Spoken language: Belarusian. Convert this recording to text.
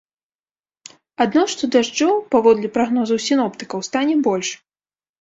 Адно што дажджоў, паводле прагнозаў сіноптыкаў, стане больш.